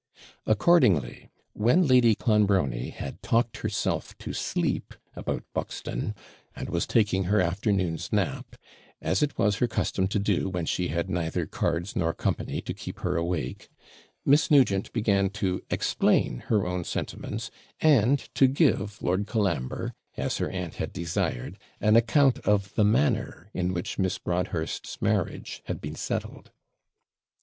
Accordingly, when Lady Clonbrony had talked herself to sleep about Buxton, and was taking her afternoon's nap, as it was her custom to do when she had neither cards nor company to keep her awake, Miss Nugent began to explain her own sentiments, and to give Lord Colambre, as her aunt had desired, an account of the manner in which Miss Broadhurst's marriage had been settled.